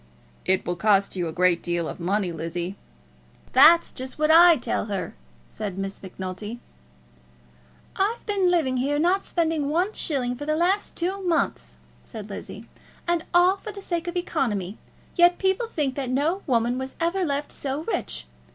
"It will cost you a great deal of money, Lizzie." "That's just what I tell her," said Miss Macnulty. "I've been living here, not spending one shilling, for the last two months," said Lizzie, "and all for the sake of economy; yet people think that no woman was ever left so rich.